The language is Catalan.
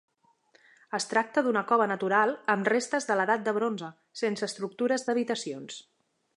Es tracta d'una cova natural amb restes de l'Edat del Bronze, sense estructures d'habitacions.